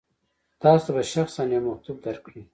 تاسو ته به شخصا یو مکتوب درکړي.